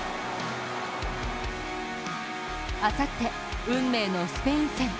あさって、運命のスペイン戦。